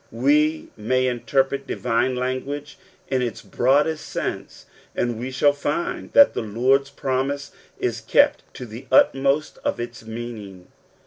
We may interpret divine language in its broadest sense, and we shall find that the Lord's promise is kept to the utmost of its meaning.